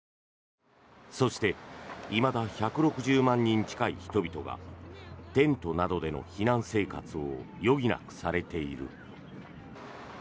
そしていまだ１６０万人近い人々がテントなどでの避難生活を余儀なくされている。